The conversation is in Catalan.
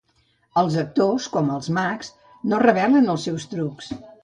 Els actors, com els mags, no revelen els seus trucs.